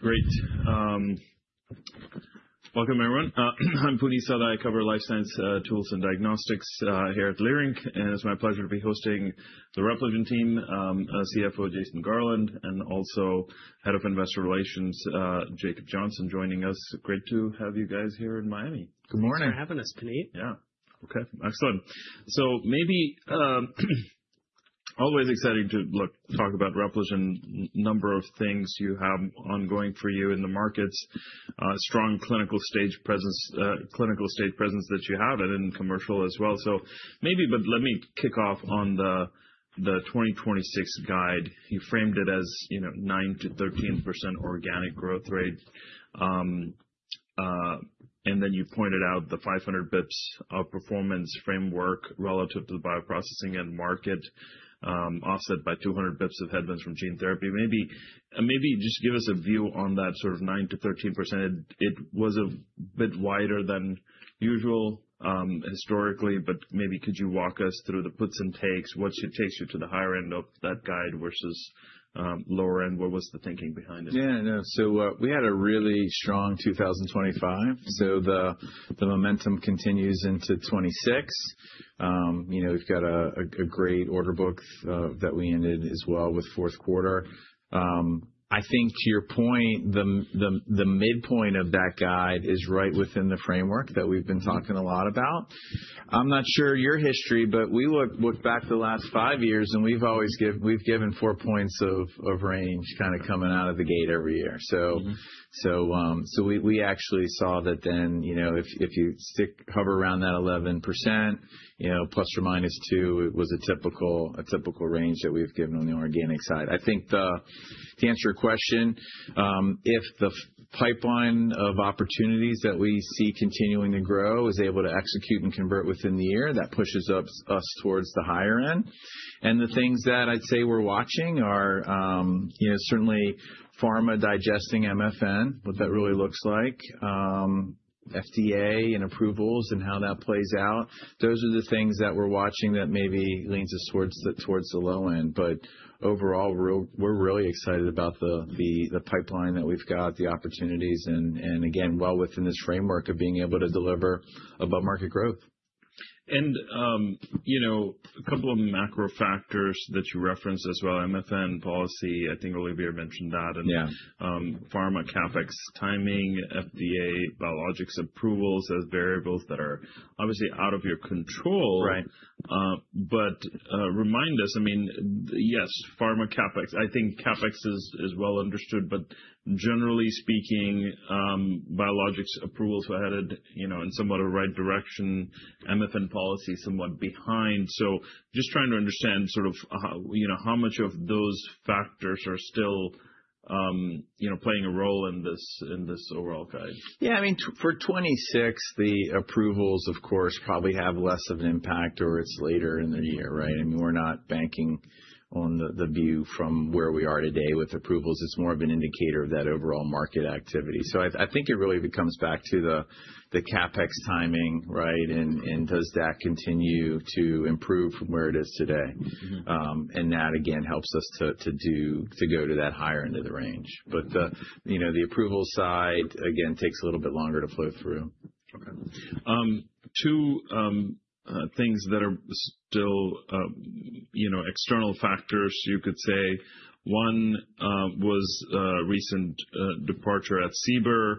Great. Welcome everyone. I'm Puneet Souda. I cover life science tools and diagnostics here at Leerink, and it's my pleasure to be hosting the Repligen team, CFO Jason Garland, and also Head of Investor Relations, Jacob Johnson joining us. Great to have you guys here in Miami. Good morning. Thanks for having us, Puneet. Yeah. Okay, excellent. Always exciting to talk about Repligen, number of things you have ongoing for you in the markets, strong clinical stage presence, clinical stage presence that you have and in commercial as well. Let me kick off on the 2026 guide. You framed it as, you know, 9%-13% organic growth rate. And then you pointed out the 500 basis points of performance framework relative to the bioprocessing end market, offset by 200 basis points of headwinds from gene therapy. Maybe just give us a view on that sort of 9%-13%. It was a bit wider than usual, historically, but could you walk us through the puts and takes, what it takes you to the higher end of that guide versus lower end? What was the thinking behind it? Yeah, no. We had a really strong 2025, so the momentum continues into 2026. You know, we've got a great order book that we ended as well with fourth quarter. I think to your point, the midpoint of that guide is right within the framework that we've been talking a lot about. I'm not sure your history, but we look back the last five years, and we've always we've given four points of range kind of coming out of the gate every year. Mm-hmm. We actually saw that then, you know, if you hover around that 11%, you know, ±2, it was a typical range that we've given on the organic side. I think to answer your question, if the pipeline of opportunities that we see continuing to grow is able to execute and convert within the year, that pushes us towards the higher end. The things that I'd say we're watching are, you know, certainly pharma digesting MFN, what that really looks like, FDA and approvals and how that plays out. Those are the things that we're watching that maybe leans us towards the low end. Overall, we're really excited about the pipeline that we've got, the opportunities and again, well within this framework of being able to deliver above market growth. You know, a couple of macro factors that you referenced as well, MFN policy. I think Olivier mentioned that. Yeah. Pharma CapEx timing, FDA biologics approvals as variables that are obviously out of your control. Right. Remind us, I mean, yes, pharma CapEx. I think CapEx is well understood, but generally speaking, biologics approvals were headed, you know, in somewhat a right direction, MFN policy somewhat behind. Just trying to understand sort of how, you know, how much of those factors are still, you know, playing a role in this overall guide. Yeah, I mean, for 2026, the approvals, of course, probably have less of an impact or it's later in the year, right? I mean, we're not banking on the view from where we are today with approvals. It's more of an indicator of that overall market activity. I think it really comes back to the CapEx timing, right? Does that continue to improve from where it is today? Mm-hmm. That again helps us to go to that higher end of the range. You know, the approval side again takes a little bit longer to flow through. Okay. Two things that are still, you know, external factors, you could say. One was a recent departure at Sarepta,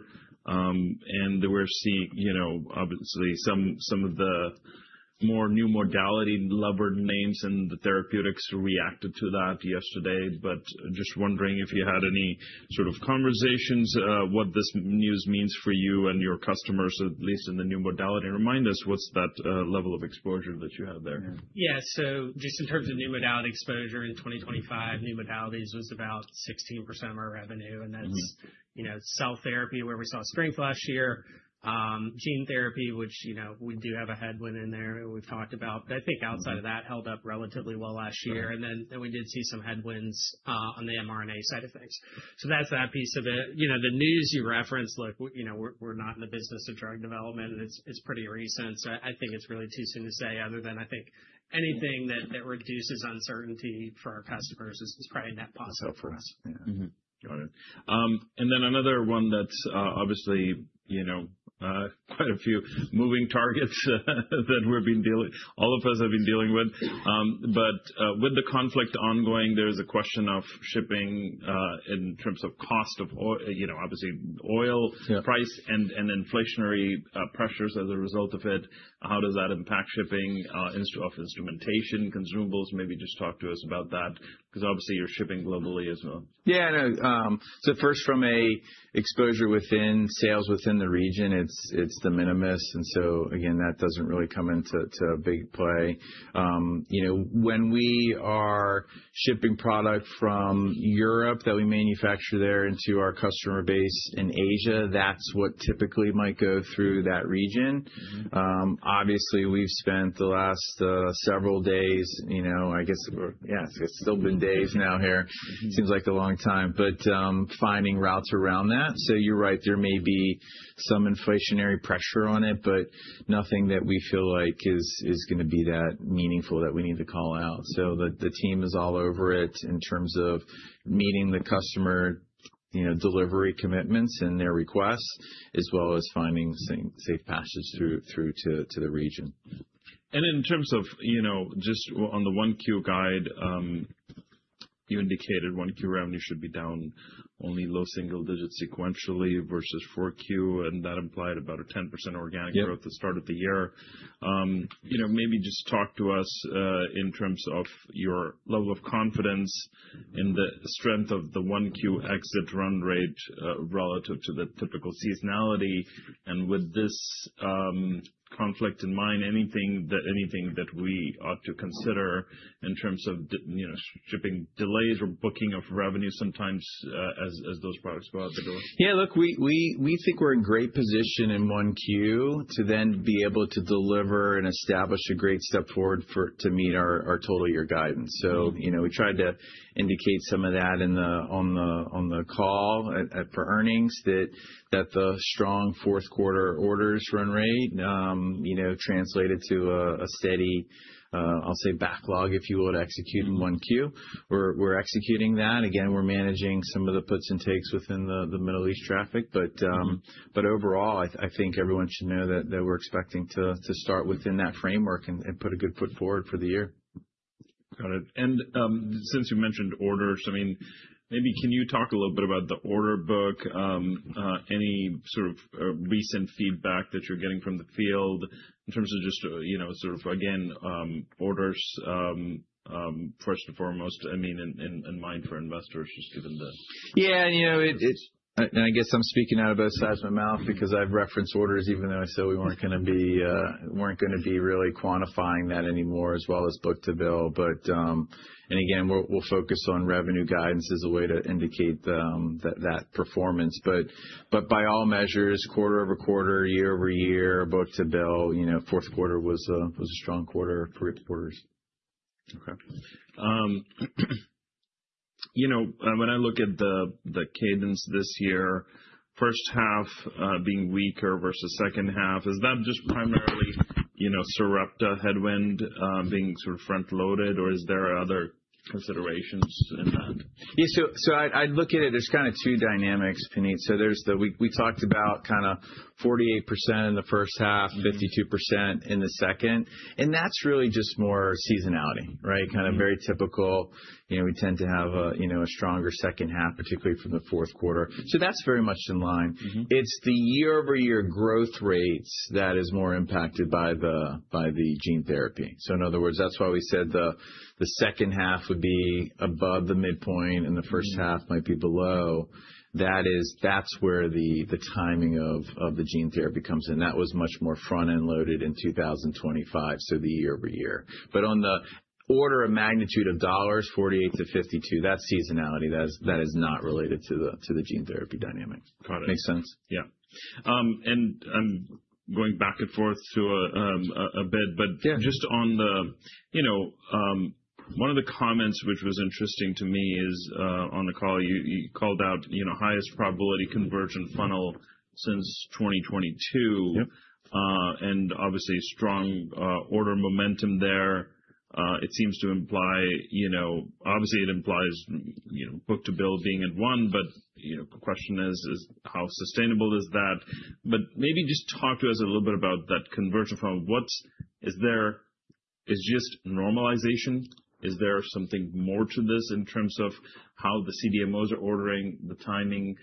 and we're seeing, you know, obviously some of the more new modality-levered names in the therapeutics reacted to that yesterday. But just wondering if you had any sort of conversations, what this news means for you and your customers, at least in the new modality. Remind us, what's that level of exposure that you have there? Yeah. Yeah. Just in terms of new modality exposure in 2025, new modalities was about 16% of our revenue. Mm-hmm. That's, you know, cell therapy, where we saw strength last year, gene therapy, which, you know, we do have a headwind in there we've talked about. Mm-hmm. I think outside of that held up relatively well last year. Right. We did see some headwinds on the mRNA side of things. That's that piece of it. You know, the news you referenced, look, you know, we're not in the business of drug development and it's pretty recent. I think it's really too soon to say other than I think anything that reduces uncertainty for our customers is probably a net positive for us. Yeah. Mm-hmm. Got it. Another one that's obviously, you know, quite a few moving targets that all of us have been dealing with. With the conflict ongoing, there's a question of shipping in terms of cost of oil, you know, obviously oil. Yeah. price and inflationary pressures as a result of it. How does that impact shipping of instrumentation, consumables? Maybe just talk to us about that, because obviously you're shipping globally as well. Yeah, no. First from an exposure within sales within the region, it's de minimis. Again, that doesn't really come into big play. You know, when we are shipping product from Europe that we manufacture there into our customer base in Asia, that's what typically might go through that region. Mm-hmm. Obviously we've spent the last several days, you know. I guess it's still been days now here. Mm-hmm. Seems like a long time, but finding routes around that. You're right, there may be some inflationary pressure on it, but nothing that we feel like is gonna be that meaningful that we need to call out. The team is all over it in terms of meeting the customer, you know, delivery commitments and their requests, as well as finding safe passage through to the region. In terms of just on the 1Q guide, you indicated 1Q revenue should be down only low single digits sequentially versus 4Q, and that implied about a 10% organic growth at the start of the year. Maybe just talk to us in terms of your level of confidence in the strength of the 1Q exit run rate relative to the typical seasonality. With this conflict in mind, anything that we ought to consider in terms of shipping delays or booking of revenue sometimes as those products go out the door? Yeah. Look, we think we're in great position in 1Q to then be able to deliver and establish a great step forward to meet our total year guidance. You know, we tried to indicate some of that on the call for earnings that the strong fourth quarter orders run rate you know translated to a steady, I'll say backlog, if you will, to execute in 1Q. We're executing that. Again, we're managing some of the puts and takes within the Middle East traffic. Overall I think everyone should know that we're expecting to start within that framework and put a good foot forward for the year. Got it. Since you mentioned orders, I mean, maybe can you talk a little bit about the order book? Any sort of recent feedback that you're getting from the field in terms of just, you know, sort of again, orders, first and foremost, I mean, in mind for investors just given the. Yeah. You know, I guess I'm speaking out of both sides of my mouth because I've referenced orders even though I said we weren't gonna be really quantifying that anymore as well as book to bill. Again, we'll focus on revenue guidance as a way to indicate that performance. By all measures, quarter-over-quarter, year-over-year, book to bill, you know, fourth quarter was a strong quarter for eight quarters. Okay. You know, when I look at the cadence this year, first half being weaker versus second half, is that just primarily, you know, Sarepta headwind being sort of front loaded, or is there other considerations in that? Yeah. I look at it, there's kind of two dynamics, Puneet. There's the, we talked about kinda 48% in the first half, 52% in the second, and that's really just more seasonality, right? Kind of very typical. You know, we tend to have a, you know, a stronger second half, particularly from the fourth quarter. That's very much in line. Mm-hmm. It's the year-over-year growth rates that is more impacted by the gene therapy. In other words, that's why we said the second half would be above the midpoint and the first half might be below. That is. That's where the timing of the gene therapy comes in. That was much more front-end loaded in 2025, so the year-over-year. On the order of magnitude of dollars, $48-$52, that's seasonality. That is not related to the gene therapy dynamics. Got it. Make sense? Yeah. I'm going back and forth to a bit, but. Yeah. Just on the, you know, one of the comments which was interesting to me is, on the call you called out, you know, highest probability conversion funnel since 2022. Yep. Obviously strong order momentum there. It seems to imply, you know, book-to-bill being at one, but, you know, the question is, how sustainable is that? Maybe just talk to us a little bit about that conversion funnel. What is there? Is it just normalization, is there something more to this in terms of how the CDMOs are ordering, the timing,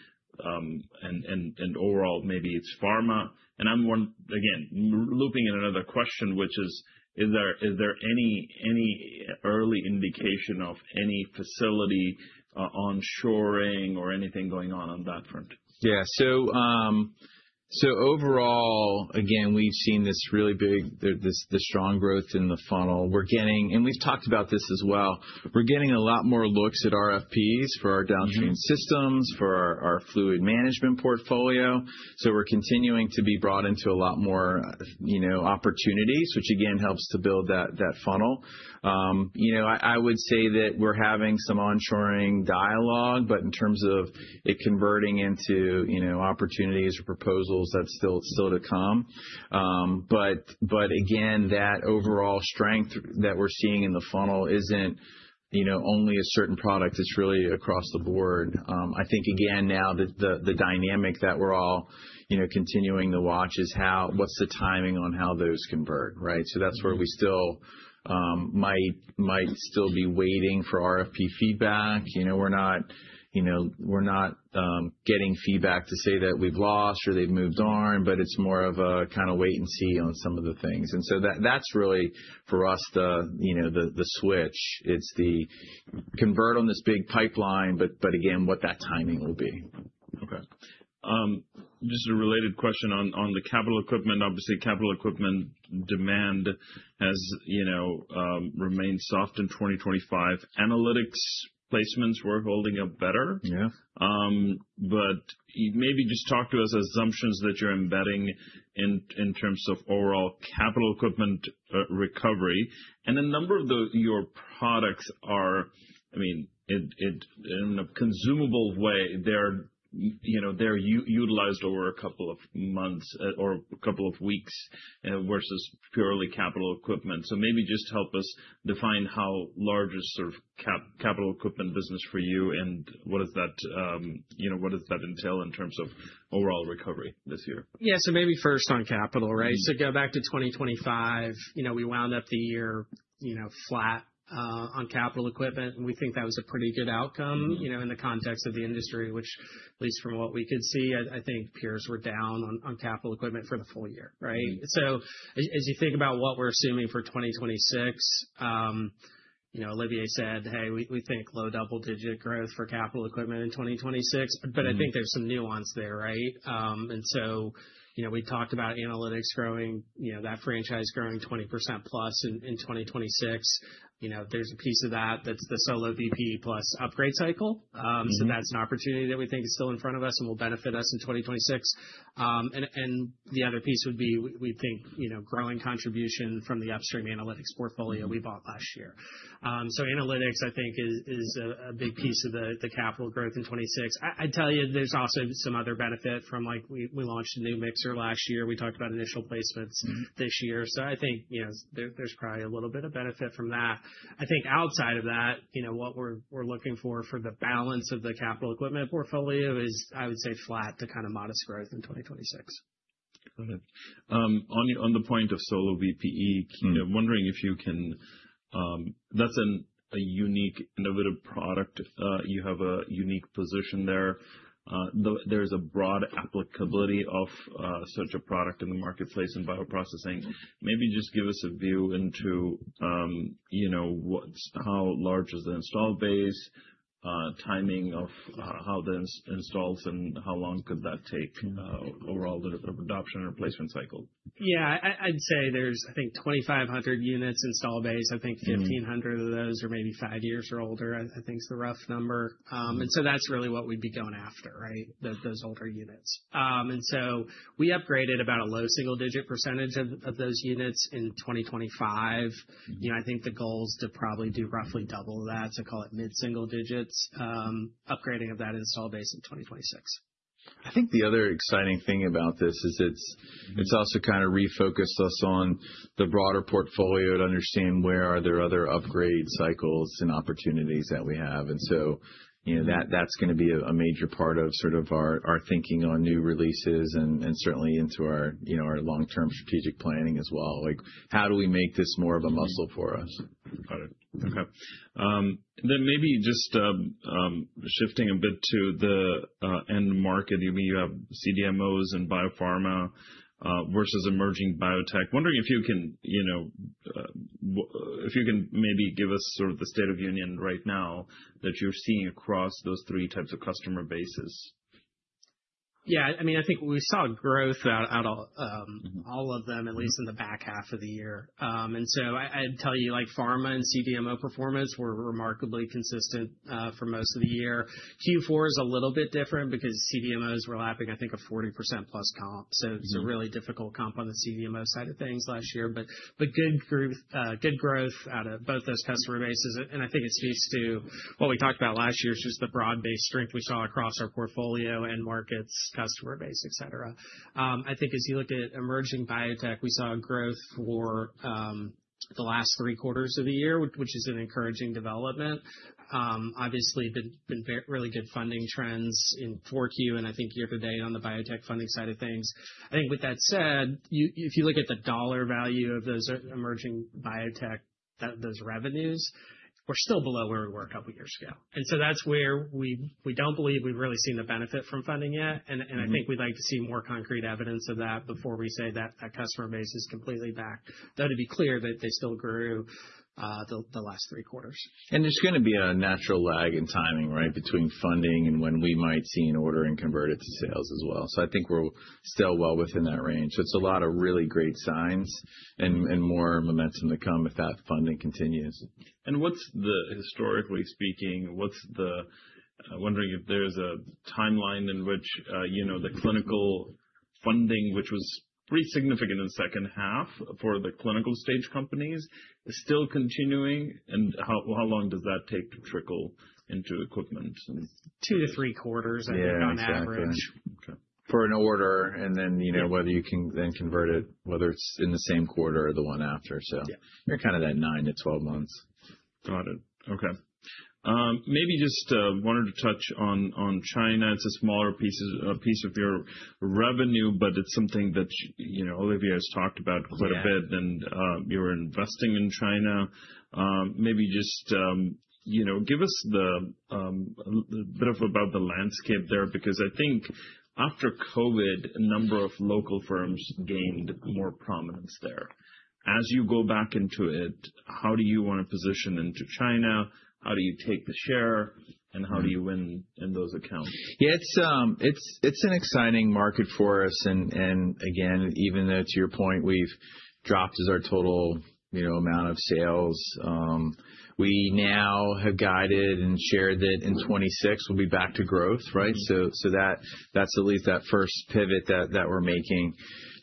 and overall maybe it's pharma? I'm more, again, looping in another question, which is there any early indication of any facility onshoring or anything going on on that front? Overall, again, we've seen this strong growth in the funnel. We've talked about this as well, we're getting a lot more looks at RFPs for our downstream systems, for our fluid management portfolio. We're continuing to be brought into a lot more, you know, opportunities, which again helps to build that funnel. You know, I would say that we're having some onshoring dialogue, but in terms of it converting into, you know, opportunities or proposals, that's still to come. Again, that overall strength that we're seeing in the funnel isn't, you know, only a certain product, it's really across the board. I think again now the dynamic that we're all, you know, continuing to watch is what's the timing on how those convert, right? That's where we still might still be waiting for RFP feedback. You know, we're not getting feedback to say that we've lost or they've moved on, but it's more of a kinda wait and see on some of the things. That's really for us, you know, the switch. It's the conversion on this big pipeline, but again, what that timing will be. Okay. Just a related question on the capital equipment. Obviously, capital equipment demand has, you know, remained soft in 2025. Analytics placements were holding up better. Yeah. Maybe just talk to us about assumptions that you're embedding in terms of overall capital equipment recovery. A number of your products are, I mean, in a consumable way. They're, you know, utilized over a couple of months or a couple of weeks versus purely capital equipment. Maybe just help us define how large is sort of capital equipment business for you, and what does that, you know, what does that entail in terms of overall recovery this year? Yeah. Maybe first on capital, right? Go back to 2025, you know, we wound up the year, you know, flat on capital equipment, and we think that was a pretty good outcome, you know, in the context of the industry, which at least from what we could see, I think peers were down on capital equipment for the full year, right? Mm-hmm. As you think about what we're assuming for 2026, you know, Olivier said, "Hey, we think low double-digit growth for capital equipment in 2026." I think there's some nuance there, right? You know, we talked about analytics growing, you know, that franchise growing 20%+ in 2026. You know, there's a piece of that that's the SoloVPE plus upgrade cycle. That's an opportunity that we think is still in front of us and will benefit us in 2026. The other piece would be we think, you know, growing contribution from the upstream analytics portfolio we bought last year. Analytics I think is a big piece of the capital growth in 2026. I'd tell you there's also some other benefit from like we launched a new mixer last year. We talked about initial placements this year. I think, you know, there's probably a little bit of benefit from that. I think outside of that, you know, what we're looking for the balance of the capital equipment portfolio is, I would say, flat to kind of modest growth in 2026. Okay. On the point of SoloVPE. Mm-hmm. You know, wondering if you can. That's a unique innovative product. You have a unique position there. There's a broad applicability of such a product in the marketplace in bioprocessing. Maybe just give us a view into how large is the installed base, timing of how this installs, and how long could that take, overall the adoption replacement cycle? Yeah. I'd say there's, I think, 2,500 units installed base. Mm-hmm. 1,500 of those are maybe five years or older, I think is the rough number. That's really what we'd be going after, right? Those older units. We upgraded about a low single-digit % of those units in 2025. Mm-hmm. You know, I think the goal is to probably do roughly double that, so call it mid-single digits, upgrading of that install base in 2026. I think the other exciting thing about this is it's also kind of refocused us on the broader portfolio to understand where are there other upgrade cycles and opportunities that we have. You know, that's gonna be a major part of sort of our thinking on new releases and certainly into our long-term strategic planning as well. Like, how do we make this more of a muscle for us? Got it. Okay. Maybe just shifting a bit to the end market. You have CDMOs and biopharma versus emerging biotech. Wondering if you can, you know, if you can maybe give us sort of the state of the union right now that you're seeing across those three types of customer bases. Yeah. I mean, I think we saw growth across all of them, at least in the back half of the year. I'd tell you like pharma and CDMO performance were remarkably consistent for most of the year. Q4 is a little bit different because CDMOs were lapping, I think, a 40% plus comp. Mm-hmm. It's a really difficult comp on the CDMO side of things last year. Good growth out of both those customer bases. I think it speaks to what we talked about last year is just the broad-based strength we saw across our portfolio and markets, customer base, et cetera. I think as you look at emerging biotech, we saw growth for the last three quarters of the year, which is an encouraging development. Obviously really good funding trends in 4Q and I think year to date on the biotech funding side of things. I think with that said, you, if you look at the dollar value of those emerging biotech, those revenues, we're still below where we were a couple years ago. That's where we don't believe we've really seen the benefit from funding yet. Mm-hmm. I think we'd like to see more concrete evidence of that before we say that customer base is completely back. Though, to be clear that they still grew, the last three quarters. There's gonna be a natural lag in timing, right, between funding and when we might see an order and convert it to sales as well. I think we're still well within that range. It's a lot of really great signs and more momentum to come if that funding continues. Historically speaking, I'm wondering if there's a timeline in which, you know, the clinical funding, which was pretty significant in the second half for the clinical stage companies, is still continuing, and how long does that take to trickle into equipment and 2-3 quarters, I think, on average. Yeah. Exactly. Okay. For an order, and then, you know, whether you can then convert it, whether it's in the same quarter or the one after. Yeah. You're kind of that 9 months-12 months. Got it. Okay. Maybe just wanted to touch on China. It's a smaller piece of your revenue, but it's something that, you know, Olivier has talked about quite a bit. Yeah. You're investing in China. Maybe just, you know, give us a bit about the landscape there, because I think after COVID, a number of local firms gained more prominence there. As you go back into it, how do you want to position into China? How do you take the share? How do you win in those accounts? Yeah. It's an exciting market for us. Again, even though to your point, we've dropped as our total, you know, amount of sales, we now have guided and shared that in 2026 we'll be back to growth, right? Mm-hmm. That's at least that first pivot that we're making.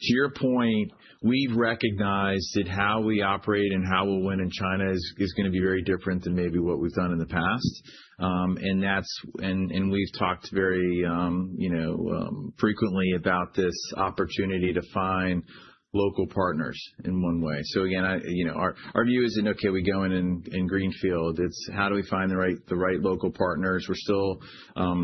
To your point, we've recognized that how we operate and how we'll win in China is gonna be very different than maybe what we've done in the past. We've talked very, you know, frequently about this opportunity to find local partners in one way. Again, you know, our view isn't okay, we go in greenfield. It's how do we find the right local partners. We're still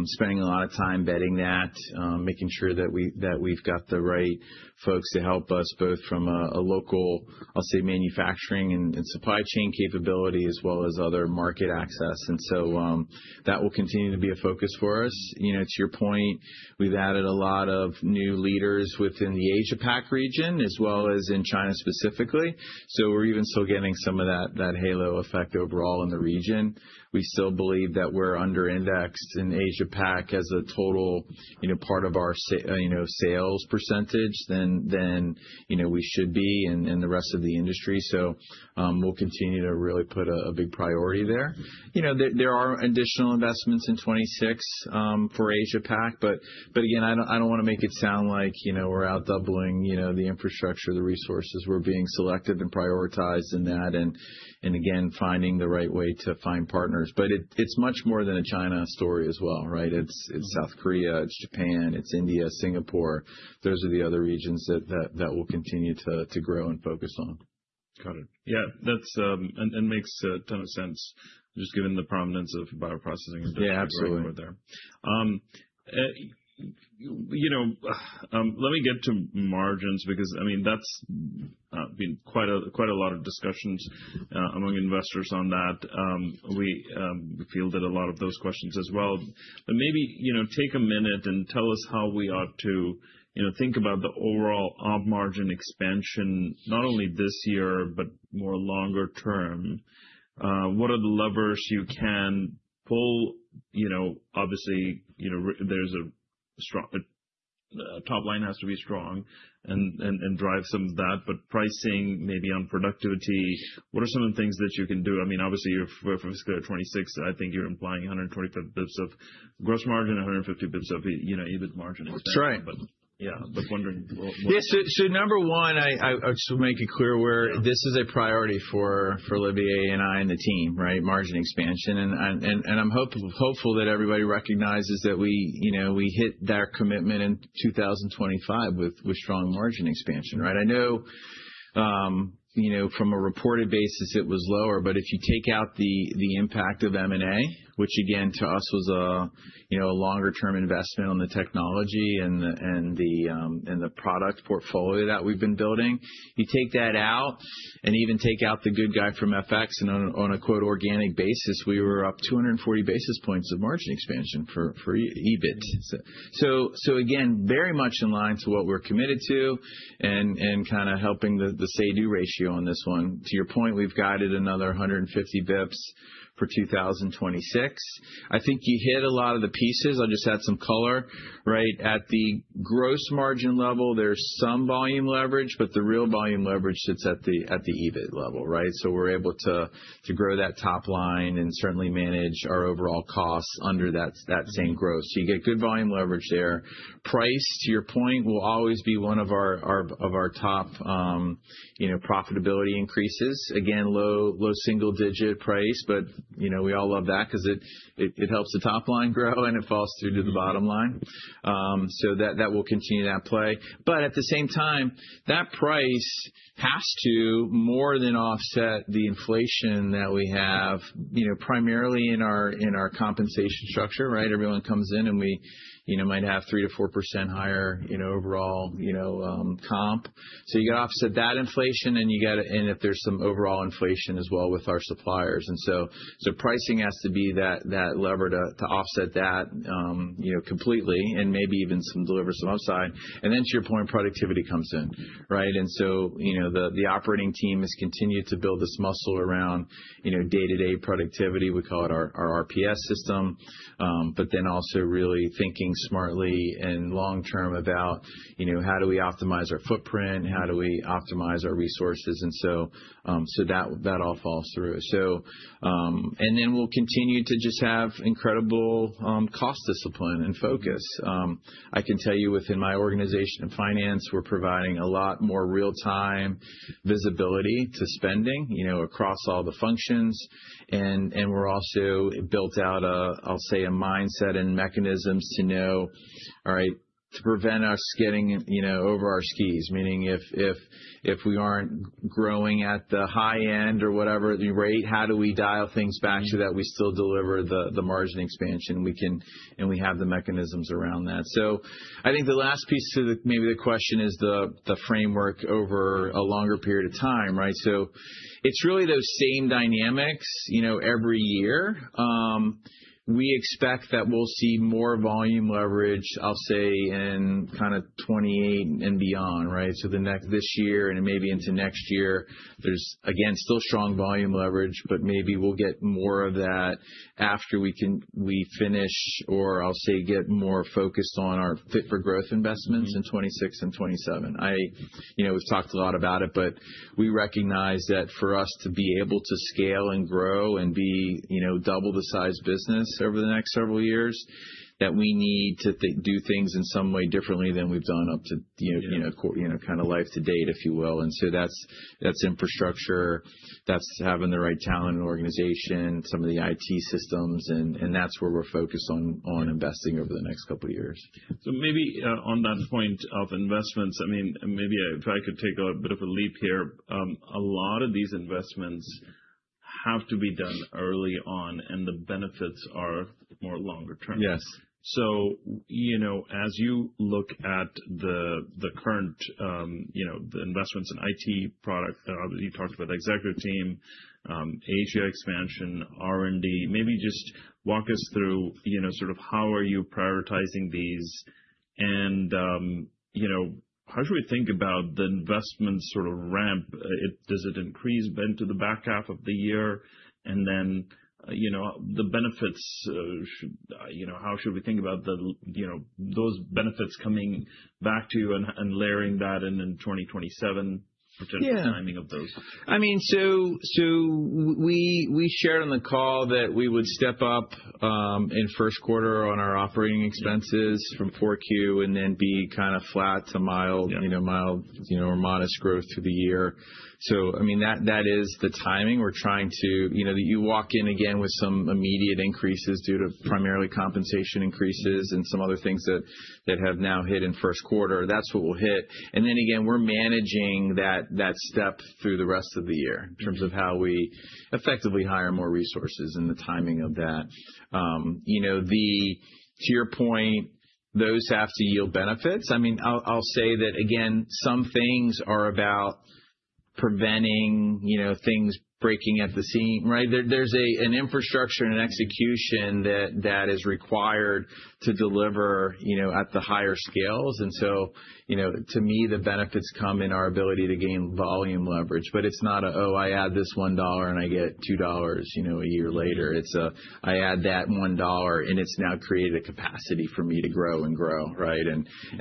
spending a lot of time vetting that, making sure that we've got the right folks to help us, both from a local, I'll say, manufacturing and supply chain capability as well as other market access. That will continue to be a focus for us. You know, to your point, we've added a lot of new leaders within the Asia PAC region as well as in China specifically. We're even still getting some of that halo effect overall in the region. We still believe that we're under-indexed in Asia PAC as a total, you know, part of our sales percentage than, you know, we should be in the rest of the industry. We'll continue to really put a big priority there. You know, there are additional investments in 2026 for Asia PAC, but again, I don't wanna make it sound like, you know, we're out doubling, you know, the infrastructure, the resources. We're being selective and prioritized in that and again, finding the right way to find partners. It's much more than a China story as well, right? It's South Korea, it's Japan, it's India, Singapore. Those are the other regions that we'll continue to grow and focus on. Got it. Yeah, that's. Makes a ton of sense, just given the prominence of bioprocessing. Yeah, absolutely. Over there. You know, let me get to margins because, I mean, that's been quite a lot of discussions among investors on that. We fielded a lot of those questions as well. Maybe, you know, take a minute and tell us how we ought to, you know, think about the overall op margin expansion, not only this year but more longer term. What are the levers you can pull? You know, obviously, you know, there's a strong top line has to be strong and drive some of that, but pricing maybe on productivity, what are some of the things that you can do? I mean, obviously you're fiscal 2026, I think you're implying 120 basis points of gross margin, 150 basis points of, you know, EBIT margin. That's right. wondering what? Number one, I just wanna make it clear where this is a priority for Olivier and I and the team, right? Margin expansion. I'm hopeful that everybody recognizes that we hit that commitment in 2025 with strong margin expansion, right? I know from a reported basis, it was lower, but if you take out the impact of M&A, which again, to us was a longer term investment on the technology and the product portfolio that we've been building, you take that out and even take out the tailwind from FX and on an organic basis, we were up 240 basis points of margin expansion for EBIT. Again, very much in line to what we're committed to and kinda helping the say-do ratio on this one. To your point, we've guided another 150 basis points for 2026. I think you hit a lot of the pieces. I'll just add some color, right? At the gross margin level, there's some volume leverage, but the real volume leverage sits at the EBIT level, right? We're able to grow that top line and certainly manage our overall costs under that same growth. You get good volume leverage there. Price, to your point, will always be one of our top profitability increases. Again, low single digit price, but you know, we all love that 'cause it helps the top line grow and it falls through to the bottom line. That will continue that play. But at the same time, that price has to more than offset the inflation that we have, you know, primarily in our compensation structure, right? Everyone comes in and we, you know, might have 3%-4% higher, you know, overall, you know, comp. You gotta offset that inflation, and if there's some overall inflation as well with our suppliers. Pricing has to be that lever to offset that, you know, completely and maybe even deliver some upside. To your point, productivity comes in, right? You know, the operating team has continued to build this muscle around, you know, day-to-day productivity. We call it our RPS system. Also really thinking smartly and long-term about, you know, how do we optimize our footprint, how do we optimize our resources? That all falls through. We'll continue to just have incredible cost discipline and focus. I can tell you within my organization in finance, we're providing a lot more real-time visibility to spending, you know, across all the functions. We're also built out a, I'll say, a mindset and mechanisms to know, all right, to prevent us getting, you know, over our skis. Meaning if we aren't growing at the high end or whatever the rate, how do we dial things back so that we still deliver the margin expansion we can, and we have the mechanisms around that. I think the last piece to the question is the framework over a longer period of time, right? It's really those same dynamics, you know, every year. We expect that we'll see more volume leverage, I'll say, in kinda 2028 and beyond, right? This year and maybe into next year, there's again, still strong volume leverage, but maybe we'll get more of that after we finish or I'll say get more focused on our fit for growth investments in 2026 and 2027. You know, we've talked a lot about it, but we recognize that for us to be able to scale and grow and be, you know, double the size business over the next several years, that we need to do things in some way differently than we've done up to, you know, kinda life to date, if you will. That's infrastructure, that's having the right talent and organization, some of the IT systems, and that's where we're focused on investing over the next couple of years. Maybe on that point of investments, I mean, maybe if I could take a bit of a leap here. A lot of these investments have to be done early on, and the benefits are more longer term. Yes. You know, as you look at the current, you know, the investments in IT products, you talked about executive team, Asia expansion, R&D, maybe just walk us through, you know, sort of how are you prioritizing these and, you know, how should we think about the investment sort of ramp? Does it increase into the back half of the year? You know, the benefits, you know, how should we think about the, you know, those benefits coming back to you and layering that in in 2027? Yeah. Potential timing of those. I mean, we shared on the call that we would step up in first quarter on our operating expenses from Q4 and then be kinda flat to mild- Yeah. You know, mild, you know, or modest growth through the year. I mean, that is the timing. We're trying to, you know, you walk in again with some immediate increases due to primarily compensation increases and some other things that have now hit in first quarter. That's what we'll hit. Again, we're managing that step through the rest of the year in terms of how we effectively hire more resources and the timing of that. You know, to your point, those have to yield benefits. I mean, I'll say that again, some things are about preventing, you know, things breaking at the seams, right? There's an infrastructure and an execution that is required to deliver, you know, at the higher scales. You know, to me, the benefits come in our ability to gain volume leverage. It's not a, oh, I add this $1 and I get $2, you know, a year later. It's a, I add that $1 and it's now created capacity for me to grow and grow, right?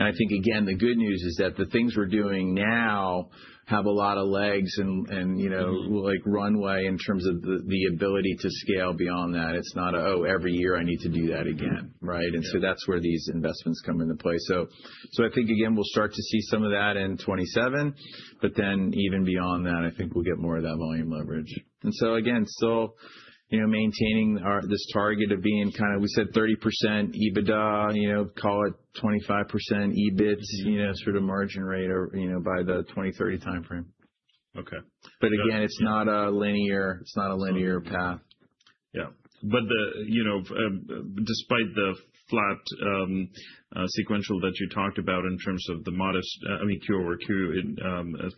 I think again, the good news is that the things we're doing now have a lot of legs and, you know, like runway in terms of the ability to scale beyond that. It's not a, oh, every year I need to do that again, right? Yeah. That's where these investments come into play. I think again, we'll start to see some of that in 2027, but then even beyond that, I think we'll get more of that volume leverage. Again, still, you know, maintaining our this target of being kind of, we said 30% EBITDA, you know, call it 25% EBIT. Mm-hmm. You know, sort of margin rate or, you know, by the 2030 timeframe. Okay. Again, it's not a linear path. Yeah. The, you know, despite the flat sequential that you talked about in terms of the modest, I mean, Q-over-Q in,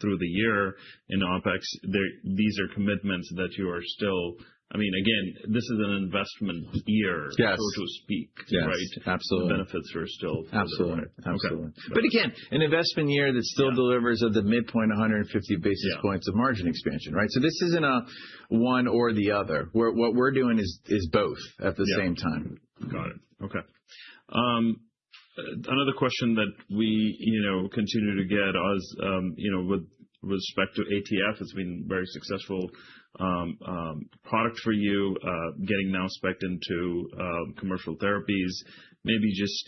through the year in OpEx, these are commitments that you are still I mean, again, this is an investment year- Yes. So to speak. Yes. Right? Absolutely. The benefits are still. Absolutely. Absolutely. Okay. Again, an investment year that still delivers at the midpoint 150 basis points of margin expansion, right? This isn't a one or the other. What we're doing is both at the same time. Got it. Okay. Another question that we, you know, continue to get as, you know, with respect to ATF, it's been very successful product for you, getting now specd into commercial therapies. Maybe just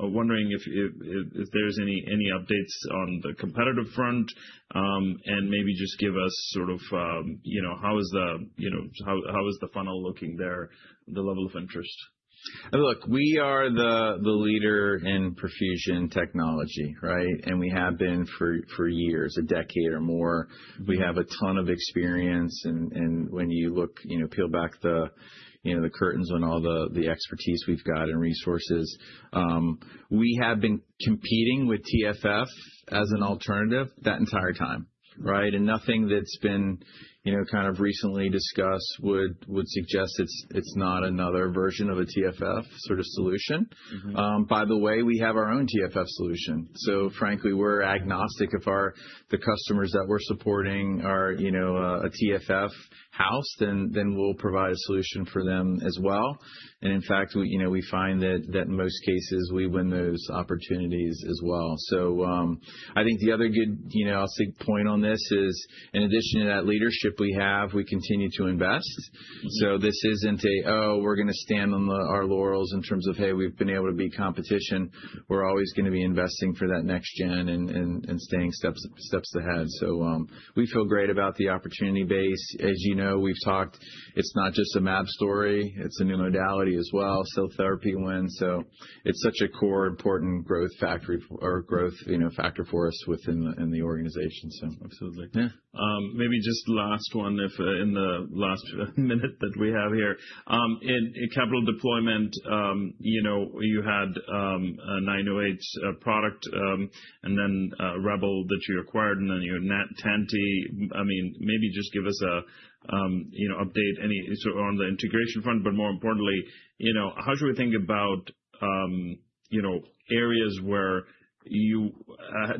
wondering if there's any updates on the competitive front, and maybe just give us sort of, you know, how is the funnel looking there, the level of interest? Look, we are the leader in perfusion technology, right? We have been for years, a decade or more. We have a ton of experience and when you look, you know, peel back the, you know, the curtains on all the expertise we've got and resources, we have been competing with TFF as an alternative that entire time, right? Nothing that's been, you know, kind of recently discussed would suggest it's not another version of a TFF sort of solution. Mm-hmm. By the way, we have our own TFF solution. Frankly, we're agnostic if our customers that we're supporting are, you know, a TFF house, then we'll provide a solution for them as well. In fact, we, you know, we find that in most cases, we win those opportunities as well. I think the other good, you know, I'll say point on this is, in addition to that leadership we have, we continue to invest. Mm-hmm. This isn't a oh we're gonna stand on our laurels in terms of hey we've been able to beat competition. We're always gonna be investing for that next gen and staying steps ahead. We feel great about the opportunity base. As you know, we've talked, it's not just a mAb story, it's a new modality as well. Cell therapy wins, so it's such a core important growth factory or growth, you know, factor for us within the in the organization. Absolutely. Yeah. Maybe just last one, if in the last minute that we have here. In capital deployment, you know, you had a 908 product, and then Rebel that you acquired and then your TangenX. I mean, maybe just give us a you know update any sort on the integration front, but more importantly, you know, how should we think about you know areas where you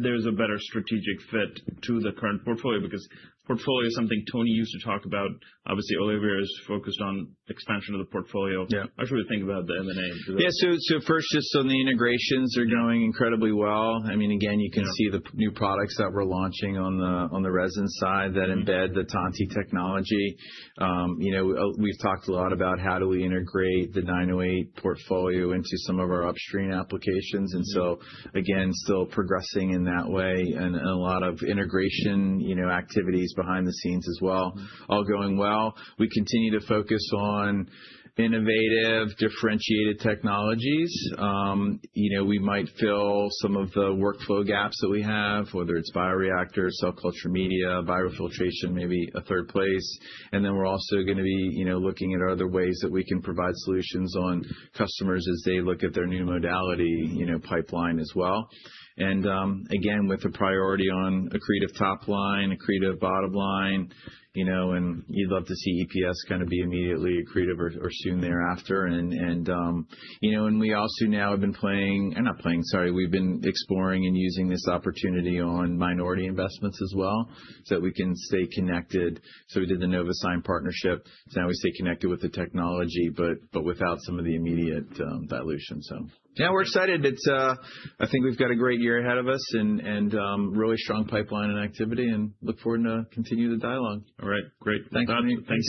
there's a better strategic fit to the current portfolio? Because portfolio is something Tony used to talk about. Obviously, Olivier is focused on expansion of the portfolio. Yeah. How should we think about the M&A? First, just on the integrations, they're going incredibly well. I mean, again, you can see the new products that we're launching on the resin side that embed the TangenX technology. You know, we've talked a lot about how do we integrate the 908 portfolio into some of our upstream applications. Mm-hmm. Again, still progressing in that way and a lot of integration, you know, activities behind the scenes as well, all going well. We continue to focus on innovative, differentiated technologies. You know, we might fill some of the workflow gaps that we have, whether it's bioreactors, cell culture media, viral filtration, maybe a third place. Then we're also gonna be, you know, looking at other ways that we can provide solutions to customers as they look at their new modality, you know, pipeline as well. Again, with a priority on accretive top line, accretive bottom line, you know, and you'd love to see EPS kinda be immediately accretive or soon thereafter. And we also now have been playing. We've been exploring and using this opportunity on minority investments as well, so we can stay connected. We did the Novasign partnership, so now we stay connected with the technology, but without some of the immediate dilution, so. Yeah, we're excited. It's, I think we've got a great year ahead of us and really strong pipeline and activity, and look forward to continue the dialogue. All right, great. Well, Puneet, thanks very much.